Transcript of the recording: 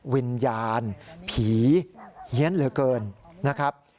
วิญญาณผีเฮียนเหลือเกินนะครับ